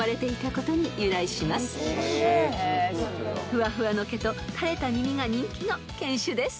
［ふわふわの毛と垂れた耳が人気の犬種です］